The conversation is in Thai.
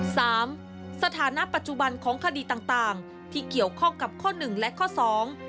สถานะปัจจุบันของคดีต่างต่างที่เกี่ยวข้องกับข้อหนึ่งและข้อสอง